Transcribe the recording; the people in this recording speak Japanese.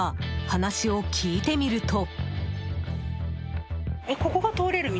話を聞いてみると。